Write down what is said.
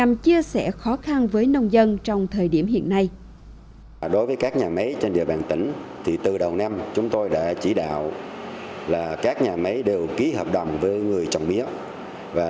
kcb sẽ tiếp tục làm việc với ủy ban nhân dân tỉnh phú yên và huyện sơn hòa